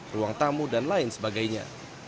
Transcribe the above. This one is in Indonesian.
ruang tamu dan lain sebagainya